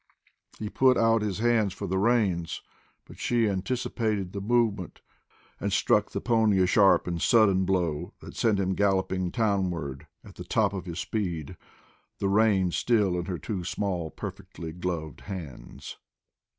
He put out his hand for the reins, but she anticipated the movement and struck the pony a sharp and sudden blow that sent him galloping townward at the top of his speed, the reins still in her two small, perfectly gloved hands.